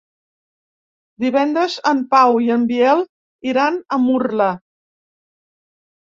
Divendres en Pau i en Biel iran a Murla.